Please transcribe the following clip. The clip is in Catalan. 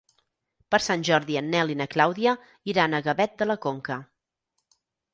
Per Sant Jordi en Nel i na Clàudia iran a Gavet de la Conca.